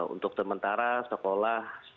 untuk sementara sekolah